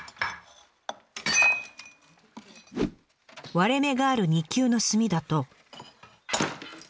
割れ目がある二級の炭だと。